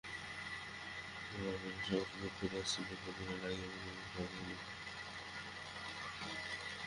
মেয়েরা সকলেই চুপ করিয়া আছে দেখিয়া তিনি রাগিয়া বলিলেন, তোদের সব হল কী?